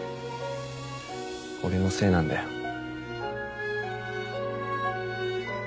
俺のせいなんだよ。